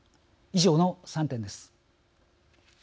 以上の３点です。